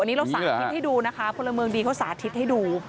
วันนี้เราสาธิตให้ดูนะคะพลเมืองดีเขาสาธิตให้ดู